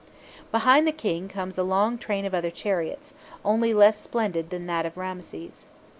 Behind the King comes a long train of other chariots, only less splendid than that of Ramses.